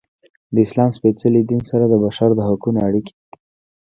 د اسلام سپیڅلي دین سره د بشر د حقونو اړیکې.